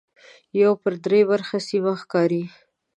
یو پر درې برخه سیمه ښکاري.